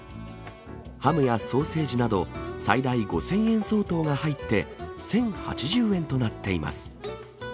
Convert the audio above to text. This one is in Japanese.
ハムやソーセージなど、最大５０００円相当が入って、１０８０円となっています。